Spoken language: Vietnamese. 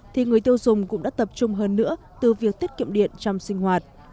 thì người tiêu dùng cũng đã tập trung hơn nữa từ việc tiết kiệm điện trong sinh hoạt